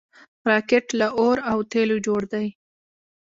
راکټ له اور او تیلو جوړ دی